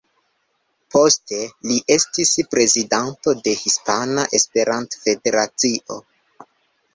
Poste li estis prezidanto de Hispana Esperanto-Federacio.